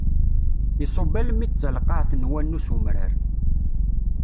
Isubb almi d talqaɛt n wanu s umrar.